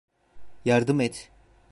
Yardım et.